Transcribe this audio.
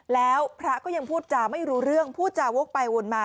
แล้วพระก็ยังพูดจาไม่รู้เรื่องพูดจาวกไปวนมา